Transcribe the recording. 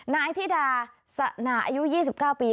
นายธิดาสนาอายุ๒๙ปี